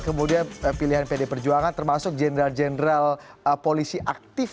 kemudian pilihan pd perjuangan termasuk jenderal jenderal polisi aktif